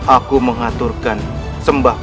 aku mengaturkan sembah bakti